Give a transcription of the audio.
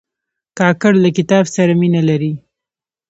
کاکړ له کتاب سره مینه لري.